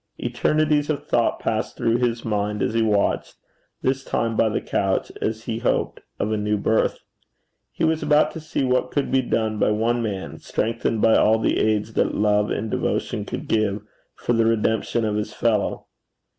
Eternities of thought passed through his mind as he watched this time by the couch, as he hoped, of a new birth. He was about to see what could be done by one man, strengthened by all the aids that love and devotion could give, for the redemption of his fellow.